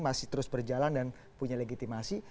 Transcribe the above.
masih terus berjalan dan punya legitimasi